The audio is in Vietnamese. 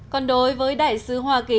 còn đối với đại sứ hoa kỳ